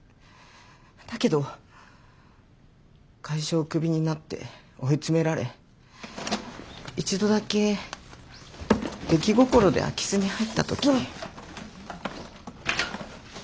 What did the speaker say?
だけど会社をクビになって追い詰められ一度だけ出来心で空き巣に入った時。